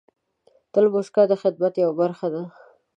تل موسکا د خدمت یوه برخه ده.